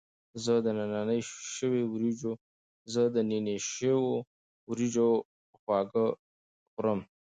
زه د نینې شوي وریجو خواږه خوړم.